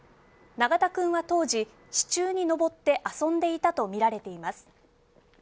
永田君は当時、支柱に上って遊んでいたとみられています。